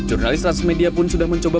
uangnya sudah masuk lima puluh juta